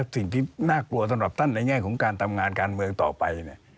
สิ่งที่น่ากลัวสำหรับท่านในแง่ของการทำงานการเมืองต่อไป